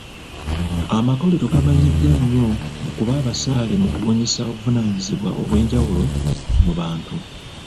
Amakolero gamanyiddwa nnyo mu kuba abasaale mu kubunyisa obuvunaanyizibwa obwenjawulo mu bantu.